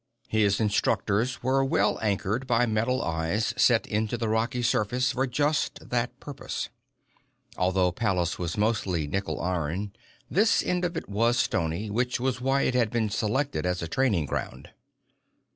His instructors were well anchored by metal eyes set into the rocky surface for just that purpose. Although Pallas was mostly nickel iron, this end of it was stony, which was why it had been selected as a training ground.